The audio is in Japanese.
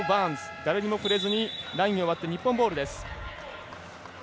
誰にも触れずにラインを割って日本ボールです。